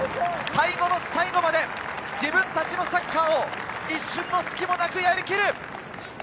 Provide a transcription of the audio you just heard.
最後の最後まで自分たちのサッカーを一瞬の隙もなくやりきる。